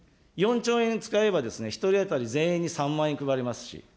４兆円使えば１人当たり全員に３万円配れますし。